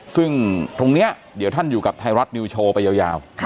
ซึ่งตรงนี้เดี๋ยวท่านอยู่กับไทยรัฐนิวโชว์ไปยาว